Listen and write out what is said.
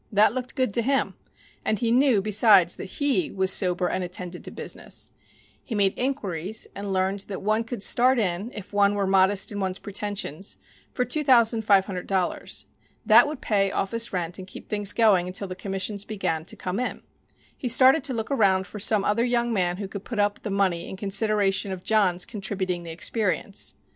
That looked good to him, and he knew, besides, that he was sober and attended to business. He made inquiries and learned that one could start in, if one were modest in one's pretensions, for two thousand five hundred dollars. That would pay office rent and keep things going until the commissions began to come in. He started to look around for some other young man who could put up the money in consideration of John's contributing the experience.